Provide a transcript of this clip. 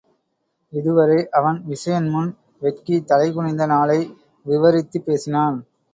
இதுவரை அவன் விசயன் முன் வெட்கித் தலைகுனிந்த நாளை விவரித்துப்பேசினான்.